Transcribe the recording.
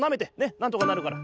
なんとかなるから。